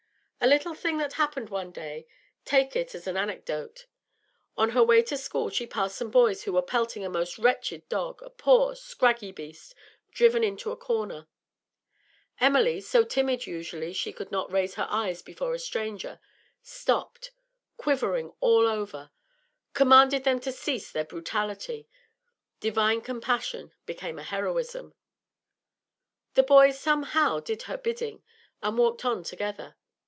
A little thing that happened one day take it as an anecdote. On her way to school she passed some boys who were pelting a most wretched dog, a poor, scraggy beast driven into a corner. Emily, so timid usually she could not raise her eyes before a stranger, stopped, quivering all over, commanded them to cease their brutality, divine compassion become a heroism. The boys somehow did her bidding, and walked on together.